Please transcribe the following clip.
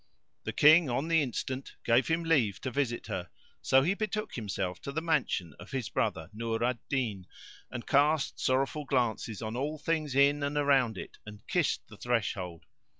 The King on the instant gave him leave to visit her; so he betook himself to the mansion of his brother, Nur al Din, and cast sorrowful glances on all things in and around it and kissed the threshold.